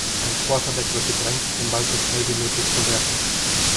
Ein Quarterback wird gedrängt, den Ball so schnell wie möglich zu werfen